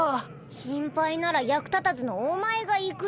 心配なら役立たずのお前が行くニャ。